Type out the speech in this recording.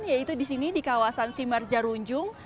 yaitu di sini di kawasan simar jarunjung